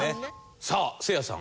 さあせいやさん。